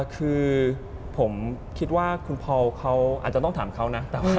คือผมคิดว่าคุณพอลเขาอาจจะต้องถามเขานะ